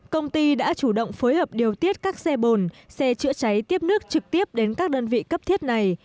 công ty đã chủ động phối hợp điều tiết các xe bồn xe chữa cháy tiếp nước trực tiếp đến các đơn vị cấp thiết này